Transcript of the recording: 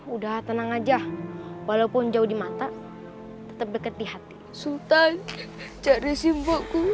udah tenang aja walaupun jauh di mata tetep deket di hati sultan jadi simpul